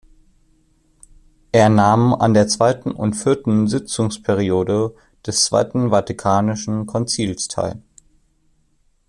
Er nahm an der zweiten und vierten Sitzungsperiode des Zweiten Vatikanischen Konzils teil.